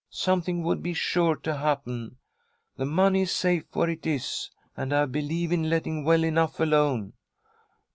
Something would be sure to happen. The money is safe where it is, and I believe in letting well enough alone."